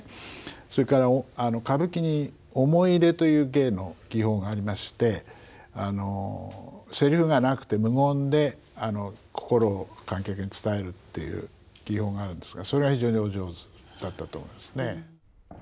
それから歌舞伎に思い入れという芸の技法がありましてセリフがなくて無言で心を観客に伝えるという技法があるんですがそれは非常にお上手だったと思いますね。